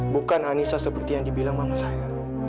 bukan anissa seperti yang dibilang mama saya